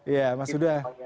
ya mas huda